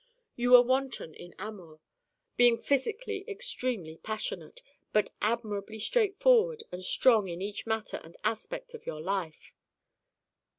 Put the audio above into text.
You were wanton in amour, being physically extremely passionate, but admirably straightforward and strong in each matter and aspect of your life.